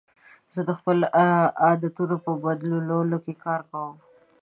زه د خپلو عادتونو په بدلولو کار کوم.